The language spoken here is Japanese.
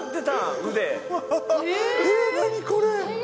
えー、何これ？